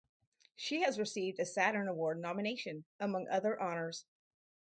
She has received a Saturn Award nomination, among other honours.